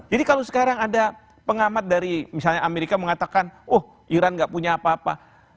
jadi kalau sekarang ada pengamat dari misalnya amerika mengatakan oh iran tidak punya apa apa